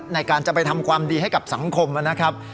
ในการจะไปทำความดีให้กับสังคมนะครับ